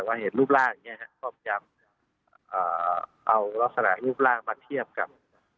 เป็นรูปร่างรากันก็พยายามเอารักษณะรูปร่างมาเทียบกับ